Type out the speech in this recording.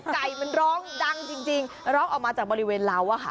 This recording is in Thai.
แต่ไก่มันร้องดังจริงร้องออกมาจากบริเวณเรา